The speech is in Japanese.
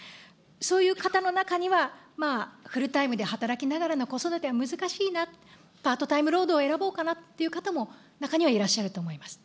そういう方の中には、フルタイムで働きながらの子育ては難しいな、パートタイム労働を選ぼうかなっていう方も、中にはいらっしゃると思います。